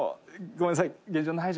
「ごめんなさい。